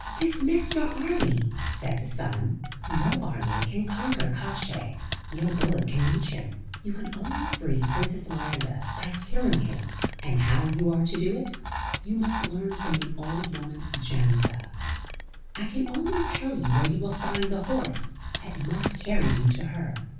"Dismiss your army," said the sun. "No army can conquer Kosciey, no bullet can reach him; you can only free Princess Miranda by killing him, and how you are to do it, you must learn from the old woman Jandza; I can only tell you where you will find the horse, that must carry you to her.